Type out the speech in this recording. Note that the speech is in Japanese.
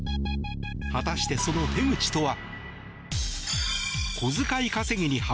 果たして、その手口とは。